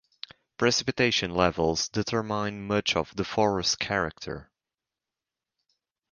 Precipitation levels determine much of the forest character.